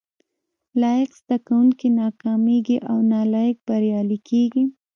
لایق زده کوونکي ناکامیږي او نالایق بریالي کیږي